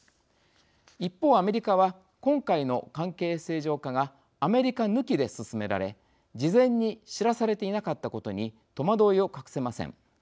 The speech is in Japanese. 一方アメリカは今回の関係正常化がアメリカ抜きで進められ事前に知らされていなかったことに戸惑いを隠せません。